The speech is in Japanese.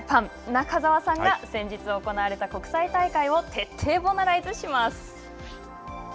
中澤さんが、先日行われた国際大会を徹底ボナライズします。